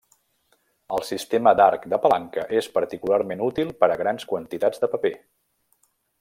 El sistema d'arc de palanca és particularment útil per a grans quantitats de paper.